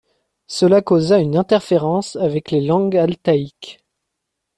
Cela causa une interférence avec les langues altaïques.